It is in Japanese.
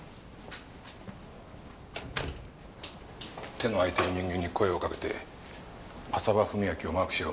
手の空いてる人間に声をかけて浅羽史明をマークしろ。